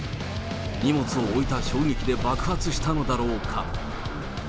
荷物を置いた衝撃で爆発したのだろうか。